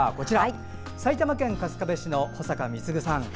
埼玉県春日部市の保坂三継さん。